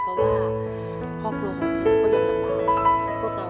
เพราะว่าครอบครัวของทุกคนยังยังมาก